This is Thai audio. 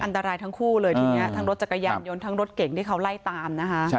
อันตรายทั้งคู่เลยทีนี้ทั้งรถจักรยานยนต์ทั้งรถเก่งที่เขาไล่ตามนะคะ